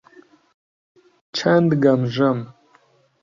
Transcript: چەند گەمژەم!